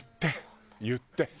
言って！